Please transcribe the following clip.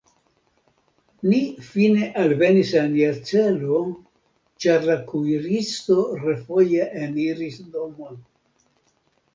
Ni fine alvenis al nia celo, ĉar la kuiristo refoje eniris domon.